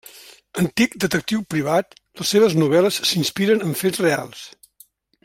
Antic detectiu privat, les seves novel·les s'inspiren en fets reals.